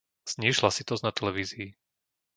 Zníž hlasitosť na televízii.